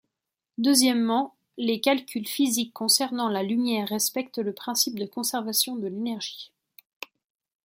Deuxièmement, les calculs physiques concernant la lumière respectent le principe de conservation de l'énergie.